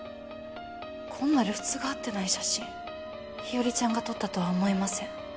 こんな露出が合ってない写真日和ちゃんが撮ったとは思えません。